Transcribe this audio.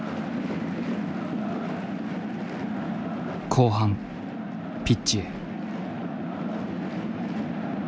後半ピッチへ。